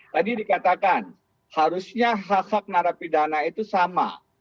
tadi dikatakan harusnya hak hak narapidana itu sama